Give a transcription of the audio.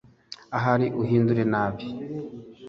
ahari uhindure nabi